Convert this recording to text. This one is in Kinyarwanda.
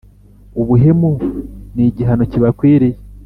Ubuhemu n’igihanokibakwiriye